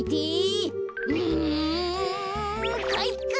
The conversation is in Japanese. うんかいか！